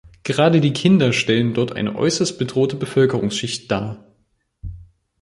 Gerade die Kinder stellen dort eine äußerst bedrohte Bevölkerungsschicht dar.